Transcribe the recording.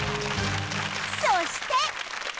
そして